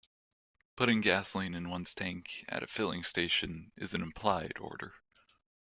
Putting gasoline in one's tank at a filling station is an implied order.